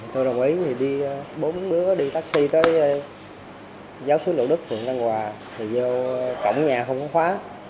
tôi đồng ý bốn đứa đi taxi tới giáo sư lộ đức phường tân hòa vô cổng nhà không có khóa